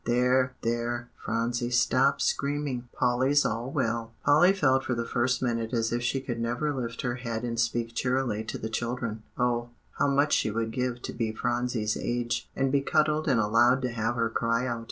There, there, Phronsie, stop screaming, Polly's all well." Polly felt for the first minute as if she could never lift her head and speak cheerily to the children. Oh, how much she would give to be Phronsie's age, and be cuddled and allowed to have her cry out!